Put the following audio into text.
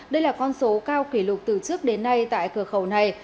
đây là con số cao kỷ lục từ trước đến nay tại cửa khẩu này